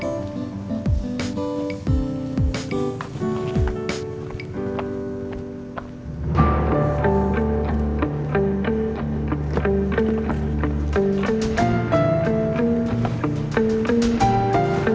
yaudah saya ntar ya